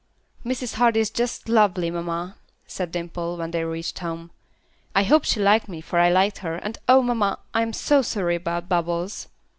"Mrs. Hardy is just lovely, mamma," said Dimple, when they reached home. "I hope she liked me, for I liked her, and, oh mamma! I am so sorry about Bubbles."